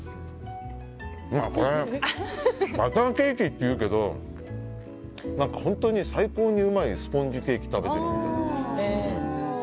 これバターケーキっていうけど最高にうまいスポンジケーキ食べているみたい。